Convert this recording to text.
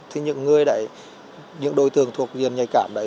thì những người đấy những đối tượng thuộc viện nghề cảm đấy